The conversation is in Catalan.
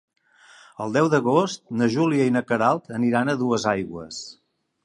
El deu d'agost na Júlia i na Queralt aniran a Duesaigües.